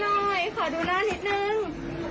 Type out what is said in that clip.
ดูหน้าหน่อยขอดูหน้านิดหนึ่ง